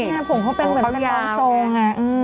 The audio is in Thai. ไงผมเขาเป็นเหมือนเป็นรองทรง